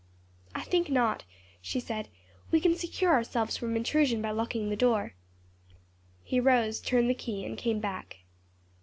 "I think not," she said, "we can secure ourselves from intrusion by locking the door." He rose, turned the key, and came back.